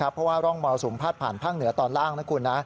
เพราะว่าร่องมรสุมพาดผ่านภาคเหนือตอนล่างนะคุณนะ